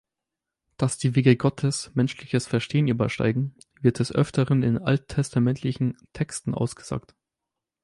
Dass die Wege Gottes menschliches Verstehen übersteigen, wird des Öfteren in alttestamentlichen Texten ausgesagt.